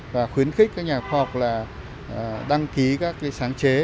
và khuyến khích các nhà khoa học là đăng ký các sáng chế